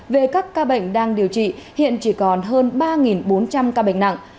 về các ca bệnh đang điều trị hiện chỉ còn hơn ba bốn trăm linh ca bệnh nặng